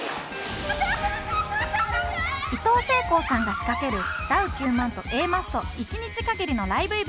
いとうせいこうさんが仕掛けるダウ９００００と Ａ マッソ１日限りのライブイベント